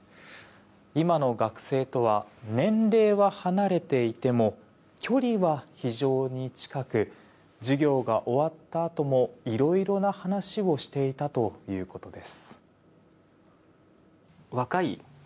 今の学生とは年齢は離れていても距離は非常に近く授業が終わったあともいろいろな話をしていたということです。